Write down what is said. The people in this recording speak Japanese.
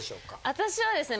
私はですね